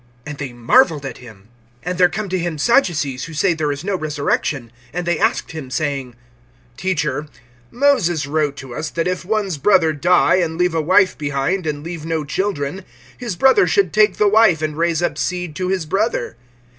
And they marveled at him. (18)And there come to him Sadducees, who say there is no resurrection. And they asked him, saying: (19)Teacher, Moses wrote to us, that if one's brother die, and leave a wife behind, and leave no children, his brother should take the wife, and raise up seed to his brother.